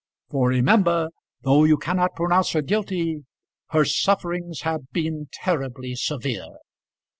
For remember, though you cannot pronounce her guilty, her sufferings have been terribly severe.